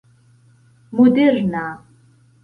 moderna